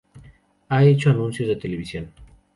Ha hecho anuncios de televisión.